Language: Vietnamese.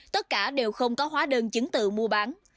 tất cả đều không có hóa đơn chứng tự mua bán